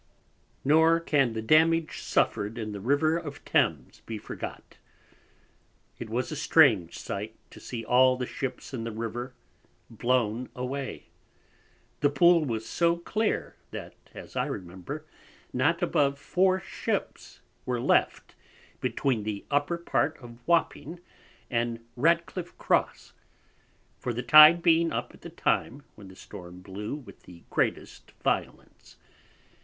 Nor can the Damage suffered in the River of Thames be forgot. It was a strange sight to see all the Ships in the River blown away, the Pool was so clear, that as I remember, not above 4 Ships were left between the Upper part of Wapping, and Ratcliff Cross, for the Tide being up at the Time when the Storm blew with the greatest violence.